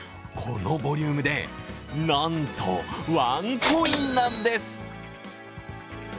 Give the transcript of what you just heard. このボリュームで、なんとワンコインなんです。